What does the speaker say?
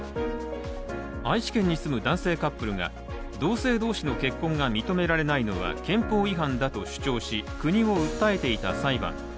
愛知県に住む男性カップルが同性同士の結婚が認められないのは憲法違反だと主張し、国を訴えていた裁判。